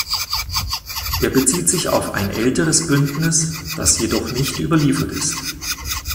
Er bezieht sich auf ein älteres Bündnis, das jedoch nicht überliefert ist.